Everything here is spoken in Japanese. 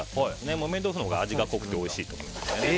木綿豆腐のほうが味が濃くておいしいと思います。